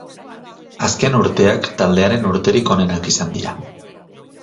Azken urteak taldearen urterik onenak izan dira.